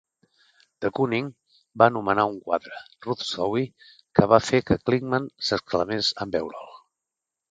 De Kooning va anomenar un quadre, "Ruth's Zowie", que va fer que Kligman s'exclamés en veure'l.